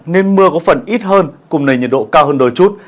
nên mưa có phần ít hơn cùng nền nhiệt độ cao hơn đôi chút